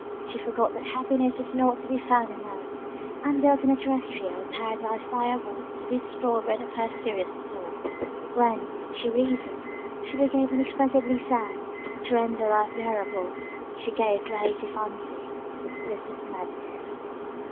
She forgot that happiness was not to be found on earth, and built a terrestrial paradise liable to be destroyed by the first serious thought: when, she reasoned she became inexpressibly sad, to render life bearable she gave way to fancy this was madness.